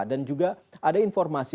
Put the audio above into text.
dan juga ada informasi